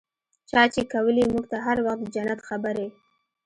چا چې کولې موږ ته هر وخت د جنت خبرې.